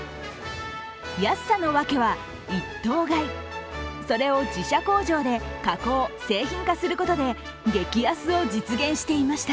安さの訳は１頭買いそれを自社工場で加工、製品化することで激安を実現していました。